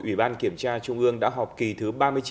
ủy ban kiểm tra trung ương đã họp kỳ thứ ba mươi chín